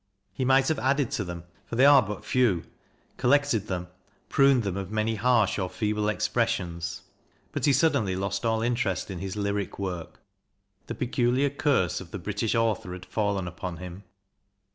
He might have added to them, for they are but few, collected them, pruned them of many harsh or feeble expressions. But he suddenly lost all interest in his lyric work; the peculiar curse of the British author had fallen upon him.